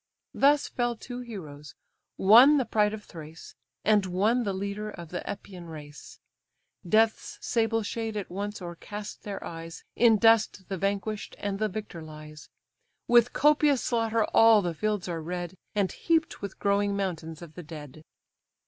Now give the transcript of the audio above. Thus fell two heroes; one the pride of Thrace, And one the leader of the Epeian race; Death's sable shade at once o'ercast their eyes, In dust the vanquish'd and the victor lies. With copious slaughter all the fields are red, And heap'd with growing mountains of the dead.